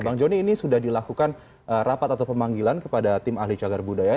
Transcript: bang joni ini sudah dilakukan rapat atau pemanggilan kepada tim ahli cagar budaya